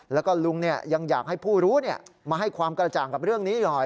แล้วก็ลุงยังอยากให้ผู้รู้มาให้ความกระจ่างกับเรื่องนี้หน่อย